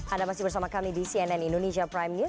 anda masih bersama kami di cnn indonesia prime news